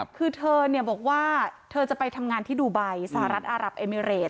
คือเธอบอกว่าเธอจะไปทำงานที่ดูไบสหรัฐอารับเอมิเรต